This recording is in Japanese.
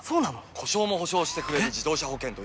故障も補償してくれる自動車保険といえば？